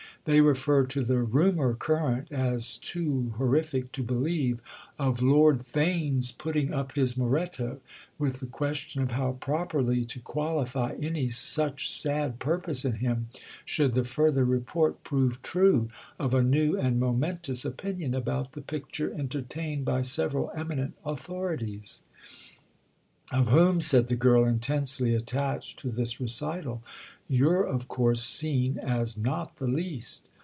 They refer to the rumour current—as too horrific to believe—of Lord Theign's putting up his Moretto; with the question of how properly to qualify any such sad purpose in him should the further report prove true of a new and momentous opinion about the picture entertained by several eminent authorities." "Of whom," said the girl, intensely attached to this recital, "you're of course seen as not the least."